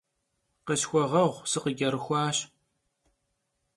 Khısxueğueğu, sıkhıç'erıxuaş.